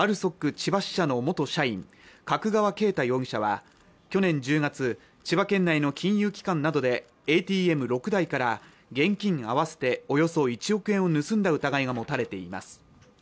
ＡＬＳＯＫ千葉支社の元社員角川恵太容疑者は去年１０月千葉県内の金融機関などでＡＴＭ６台から現金合わせておよそ１億円を盗んだ疑いが持たれています